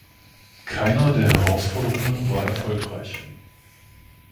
Keiner der Herausforderungen war erfolgreich.